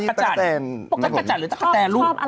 พวกตะกะแจ่นเลยตะกะแจ่นลูก